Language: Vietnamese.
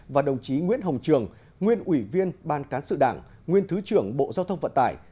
và đồng chí nguyễn hồng trường nguyên ủy viên ban cán sự đảng nguyên thứ trưởng bộ giao thông vận tải